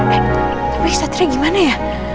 eh tapi satria gimana ya